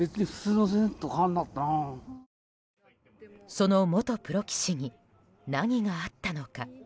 その元プロ棋士に何があったのか。